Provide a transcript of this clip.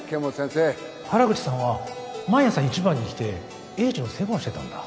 原口さんは毎朝一番に来て栄治の世話をしてたんだ